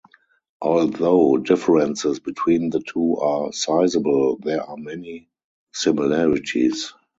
Although differences between the two are sizeable, there are many similarities.